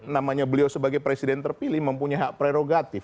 namanya beliau sebagai presiden terpilih mempunyai hak prerogatif